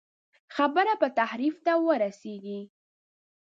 خبره به تحریف ته ورسېږي.